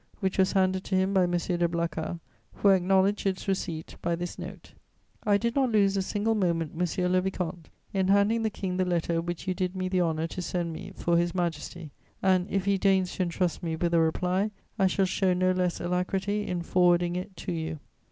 which was handed to him by M. de Blacas, who acknowledged its receipt by this note: "I did not lose a single moment, monsieur le vicomte, in handing the King the letter which you did me the honour to send me for His Majesty and, if he deigns to entrust me with a reply, I shall show no less alacrity in forwarding it to you.